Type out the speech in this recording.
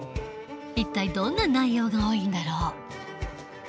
一体どんな内容が多いんだろう。